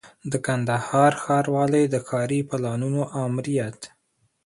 د کندهار ښاروالۍ د ښاري پلانونو آمریت